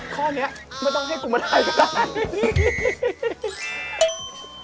ข้อนี้ไม่ต้องให้กูมาได้ก็ได้